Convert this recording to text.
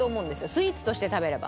スイーツとして食べれば。